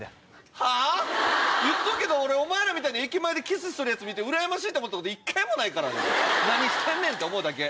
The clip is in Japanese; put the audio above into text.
はぁ⁉言っとくけど俺お前らみたいに駅前でキスしとるヤツ見てうらやましいと思ったことない何してんねん！って思うだけ。